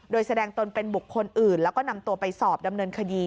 โดยแสดงตนเป็นบุคคลอื่นแล้วก็นำตัวไปสอบดำเนินคดี